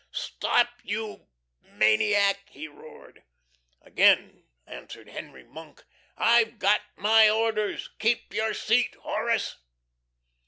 "Stop, you maniac!" he roared. Again answered Henry Monk: "I've got my orders! KEEP YOUR SEAT, HORACE!"